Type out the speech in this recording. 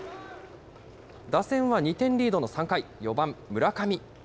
打線は２点リードの３回、４番村上。